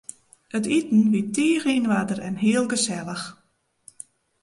It iten wie tige yn oarder en hiel gesellich.